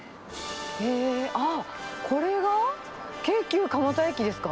あっ、これが京急蒲田駅ですか？